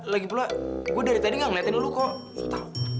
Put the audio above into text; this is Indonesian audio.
lagi pula gue dari tadi enggak ngeliatin lo kok